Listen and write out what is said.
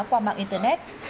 qua mạng internet